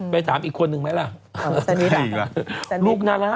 ไปถามอีกควรหนึ่งไหมล่ะ